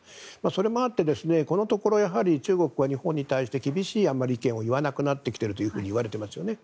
それもあって、このところ中国は日本に対して厳しい意見をあまり言わなくなってきているといわれてますよね。